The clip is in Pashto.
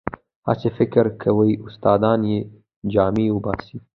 هسې فکر کوي استادان یې جامې وباسي.